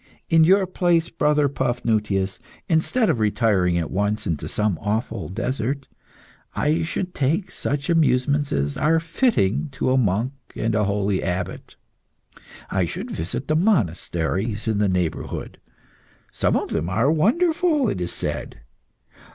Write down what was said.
In your place, brother Paphnutius, instead of retiring at once into some awful desert, I should take such amusements as are fitting to a monk and a holy abbot. I should visit the monasteries in the neighbourhood. Some of them are wonderful, it is said.